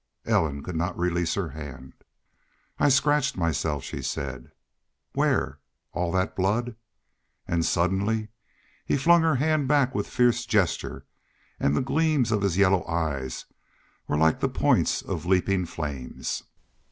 Ellen could not release her hand. "I scratched myself," she said. "Where?... All that blood!" And suddenly he flung her hand back with fierce gesture, and the gleams of his yellow eyes were like the points of leaping flames.